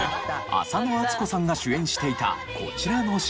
浅野温子さんが主演していたこちらのＣＭ。